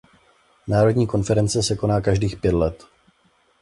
Národní konference se koná každých pět let.